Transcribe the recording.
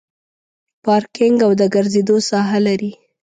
پارکینګ او د ګرځېدو ساحه لري.